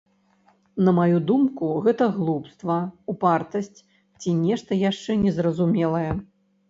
На маю думку, гэта глупства, упартасць ці нешта яшчэ незразумелае.